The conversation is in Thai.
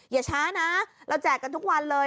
อย่าช้านะเราแจกกันทุกวันเลย